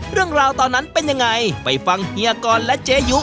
เรื่องราวตอนนั้นเป็นยังไงไปฟังเฮียกรและเจยุ